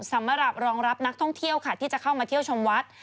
สำหรับรองรับนักท่องเที่ยวค่ะที่จะเข้ามาเที่ยวชมวัด